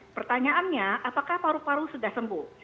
pertanyaannya apakah paru paru sudah sembuh